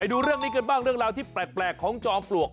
ดูเรื่องนี้กันบ้างเรื่องราวที่แปลกของจอมปลวก